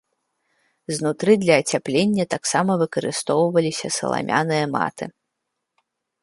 Знутры для ацяплення таксама выкарыстоўваліся саламяныя маты.